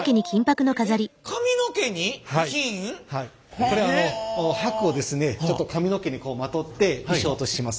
えっこれ箔をですねちょっと髪の毛にまとって衣装とします。